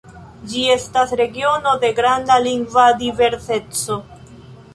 Ĝi estas regiono de granda lingva diverseco.